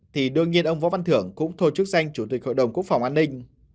thì đương nhiên ông võ văn thưởng cũng thôi chức danh chủ tịch hội đồng quốc phòng an ninh